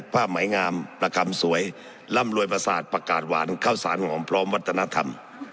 ผ้าไหมงามประคำสวยร่ำรวยประสาทประกาศหวานข้าวสารหอมพร้อมวัฒนธรรม